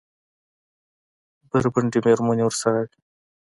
بربنډې مېرمنې ورسره وې.